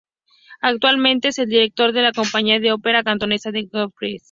Actualmente es el director de la Compañía de Ópera Cantonesa de Guangzhou 广州粤剧团.